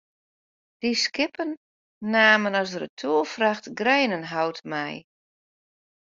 Dy skippen namen as retoerfracht grenenhout mei.